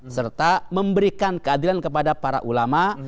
serta memberikan keadilan kepada para ulama